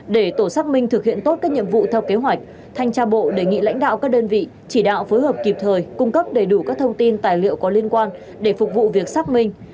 để tổ xác minh thực hiện tốt các nhiệm vụ theo kế hoạch thanh tra bộ đề nghị lãnh đạo các đơn vị chỉ đạo phối hợp kịp thời cung cấp đầy đủ các thông tin tài liệu có liên quan để phục vụ việc xác minh